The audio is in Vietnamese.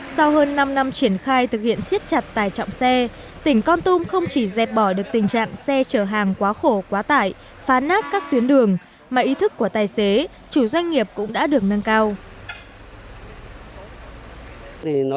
sau hơn năm năm triển khai thực hiện siết chặt tải trọng xe tỉnh con tum không chỉ dẹp bỏ được tình trạng xe chở hàng quá khổ quá tải phá nát các tuyến đường mà ý thức của tài xế chủ doanh nghiệp cũng đã được nâng cao